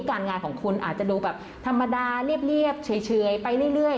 การงานของคุณอาจจะดูแบบธรรมดาเรียบเฉยไปเรื่อย